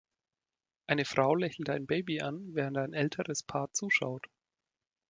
Eine Frau lächelt ein Baby an, während ein älteres Paar zuschaut.